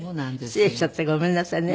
失礼しちゃってごめんなさいね。